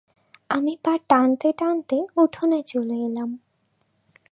আমি পা টানতে-টানতে উঠোনে চলে এলাম।